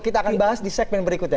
kita akan bahas di segmen berikutnya